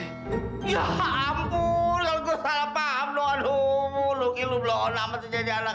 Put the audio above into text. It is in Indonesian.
ya ampun kalo gua salah paham